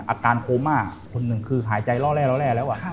อาการโคม่าคนหนึ่งคือหายใจเล่าแล้ว